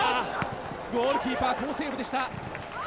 ゴールキーパー、好セーブでした。